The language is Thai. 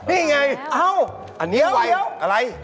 นี่ไงอีกอะไร